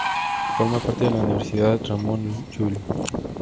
Forma parte de la Universidad Ramon Llull.